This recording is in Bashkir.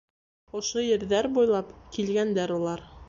Ошо ерҙәр буйлап килгәндәр улар.